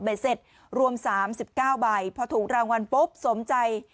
เสร็จรวม๓๙ใบพอถูกรางวัลปุ๊บสมใจ